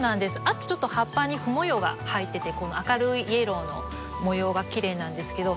あとちょっと葉っぱにふ模様が入っててこの明るいイエローの模様がきれいなんですけど。